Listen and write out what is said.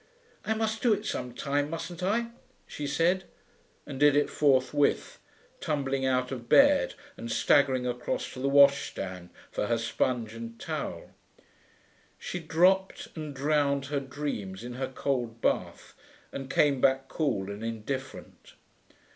'I must do it sometime, mustn't I?' she said, and did it forthwith, tumbling out of bed and staggering across to the washstand for her sponge and towel. She dropped and drowned her dreams in her cold bath, and came back cool and indifferent.